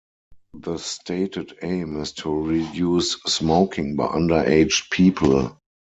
The stated aim is to reduce smoking by underaged people.